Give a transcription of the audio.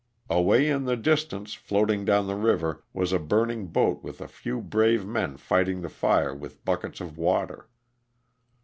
Away in the distance, floating down the river, was the burning boat with a few brave men fighting the fire with buckets of water.